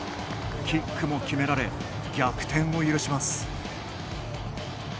キックも決められ逆転を許します。